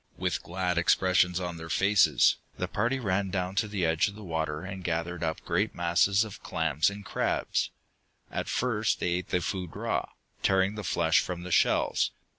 With glad expressions on their faces, the party ran down to the edge of the water and gathered up great masses of clams and crabs. At first they ate the food raw, tearing the flesh from the shells.